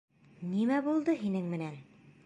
— Нимә булды һинең менән?